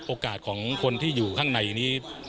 โอกาสของคนที่อยู่ข้างในนี้